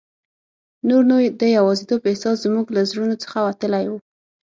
نور نو د یوازیتوب احساس زموږ له زړونو څخه وتلی وو.